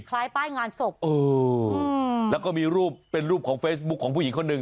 ป้ายงานศพเออแล้วก็มีรูปเป็นรูปของเฟซบุ๊คของผู้หญิงคนหนึ่ง